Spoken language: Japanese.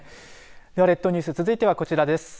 では列島ニュース続いてはこちらです。